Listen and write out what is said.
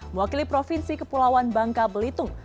mewakili provinsi kepulauan bangka belitung